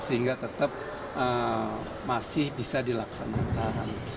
sehingga tetap masih bisa dilaksanakan